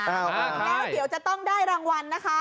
แล้วเดี๋ยวจะต้องได้รางวัลนะคะ